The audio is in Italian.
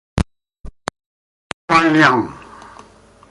Wang Liang